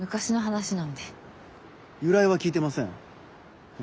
由来は聞いてません。